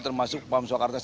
termasuk pam soekarno hatta